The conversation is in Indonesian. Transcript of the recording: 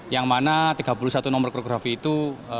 yang mana tiga puluh satu nomor krografi itu